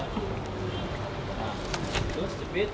nah terus cepit